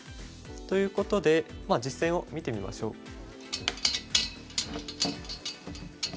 ということで実戦を見てみましょう。